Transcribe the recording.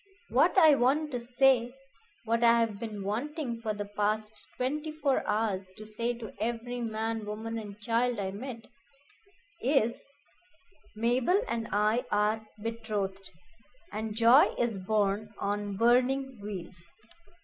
"What I want to say what I have been wanting for the past twenty four hours to say to every man, woman, and child I met is 'Mabel and I are betrothed, and joy is borne on burning wheels.'